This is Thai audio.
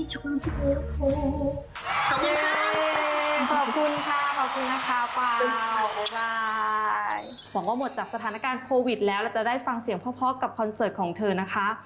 หวังว่าหมดจากสถานการณ์โควิดแล้วเราจะได้ฟังเสียงพ่อกับคอนเสิร์ตของเธอนะคะ